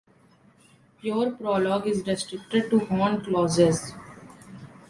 Pure Prolog is restricted to Horn clauses.